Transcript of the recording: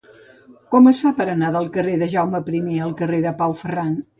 Com es fa per anar del carrer de Jaume I al carrer de Pau Ferran?